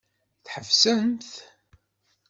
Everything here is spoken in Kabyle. Tḥebsemt.